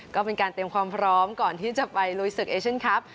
ก็เป็นการเตรียมความพร้อมก่อนที่จะไปลุยศึกเอเชียนครับ